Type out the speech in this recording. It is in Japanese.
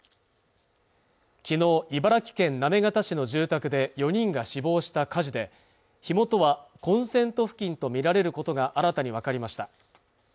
昨日茨城県行方市の住宅で４人が死亡した火事で火元はコンセント付近とみられることが新たに分かりました